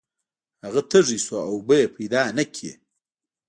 هغه تږی شو او اوبه یې پیدا نه کړې.